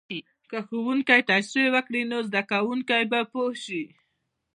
که ښوونکی تشریح وکړي، نو زده کوونکی به پوه شي.